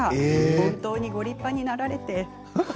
本当にご立派になられて。